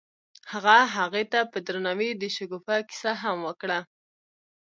هغه هغې ته په درناوي د شګوفه کیسه هم وکړه.